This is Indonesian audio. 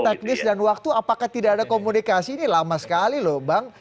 teknis dan waktu apakah tidak ada komunikasi ini lama sekali loh bang